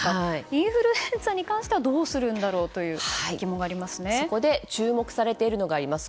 インフルエンザに関してはどうするんだろうというそこで注目されているものがあります。